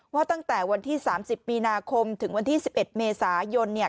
ว่าตั้งแต่วันที่๓๐มีนาคมถึงวันที่๑๑เมษายน